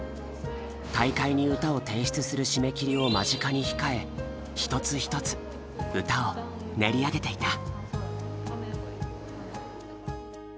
大会に歌を提出する締め切りを間近に控え一つ一つ歌を練り上げていた。